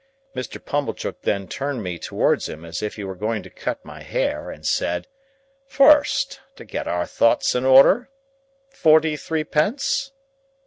Mr. Pumblechook then turned me towards him, as if he were going to cut my hair, and said,— "First (to get our thoughts in order): Forty three pence?"